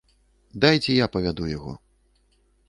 Дайце я павяду яго.